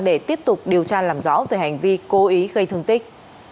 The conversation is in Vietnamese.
để tiếp tục điều tra làm rõ về hành vi cố ý gây thương tích